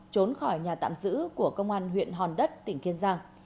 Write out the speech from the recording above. trốn khỏi nhà tạm giữ của công an huyện hòn đất tỉnh kiên giang